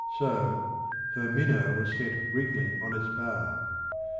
So "her minnow was set wriggling on its barb."